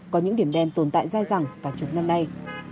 có những điểm đen tồn tại dài dẳng cả chục năm nay